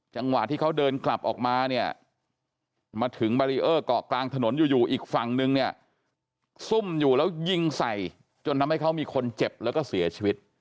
จังหวะที่เขาเดินกลับออกมาเนี่ยมาถึงบารีเออร์เกาะกลางถนนอยู่อีกฝั่งนึงเนี่ยซุ่มอยู่แล้วยิงใส่จนทำให้เขามีคนเจ็บแล้วก็เสียชีวิต